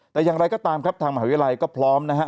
แต่อย่างไรก็ตามครับทางมหาวิทยาลัยก็พร้อมนะฮะ